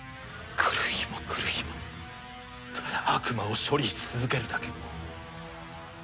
来る日も来る日もただ悪魔を処理し続けるだけ。